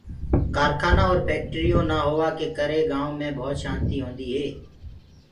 ڪآرکآنآ اور ڦيڪٽريونٚ نآ هوآ ڪي ڪري گآئونٚ مي ڀوت شآنتيٚ رهندي هي۔